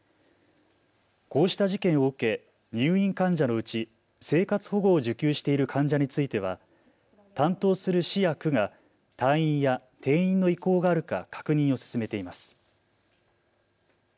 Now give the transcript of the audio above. こうした事件を受け入院患者のうち生活保護を受給している患者については担当する市や区が退院や転院の意向があるか確認を進めています。